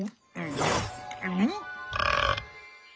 ん？